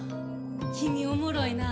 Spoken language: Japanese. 君おもろいな。